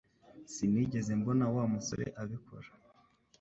Sinigeze mbona Wa musore abikora